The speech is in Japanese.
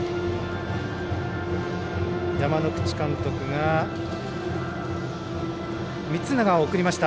山之口監督が満永を送りました。